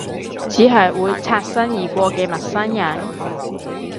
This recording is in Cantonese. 只係會擦身而過嘅陌生人？